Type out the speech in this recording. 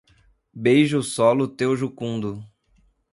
Beija o solo teu jucundo